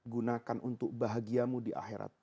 gunakan untuk bahagiamu di akhirat